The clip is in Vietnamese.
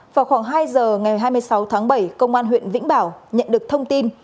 vào khoảng hai giờ ngày hai mươi sáu tháng bảy công an huyện vĩnh bảo nhận được thông tin